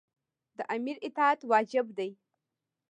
د امیر اطاعت واجب دی.